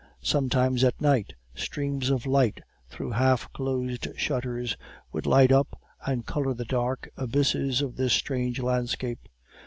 Sometimes at night, streams of light through half closed shutters would light up and color the dark abysses of this strange landscape.